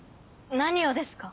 何をですか？